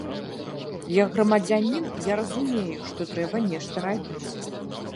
Як грамадзянін я разумею, што трэба нешта рабіць.